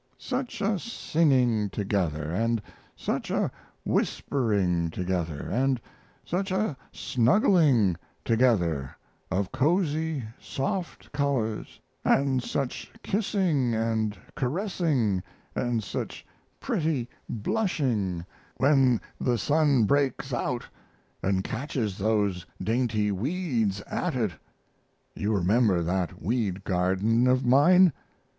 Such a singing together, & such a whispering together, & such a snuggling together of cozy, soft colors, & such kissing & caressing, & such pretty blushing when the sun breaks out & catches those dainty weeds at it you remember that weed garden of mine?